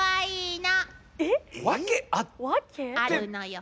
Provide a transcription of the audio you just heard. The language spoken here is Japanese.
あるのよ。